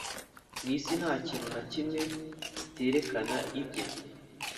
Mu isi ntakintu nakimwe kiterekana ibye